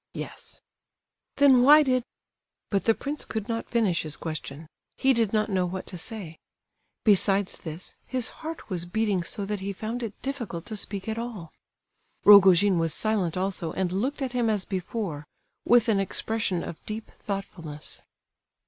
"Yes." "Then why did—" But the prince could not finish his question; he did not know what to say. Besides this, his heart was beating so that he found it difficult to speak at all. Rogojin was silent also and looked at him as before, with an expression of deep thoughtfulness.